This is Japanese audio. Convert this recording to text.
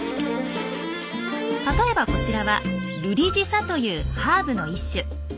例えばこちらはルリジサというハーブの一種。